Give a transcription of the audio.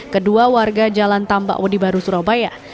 kedua warga jalan tambak odi baru surabaya